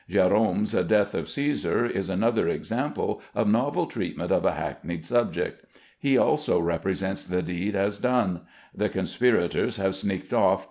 Gerome's "Death of Cæsar" is another example of novel treatment of a hackneyed subject. He also represents the deed as done. The conspirators have sneaked off.